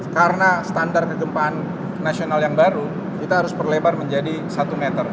karena standar kegempaan nasional yang baru kita harus berlebar menjadi satu meter